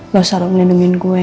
lo selalu menendangin gue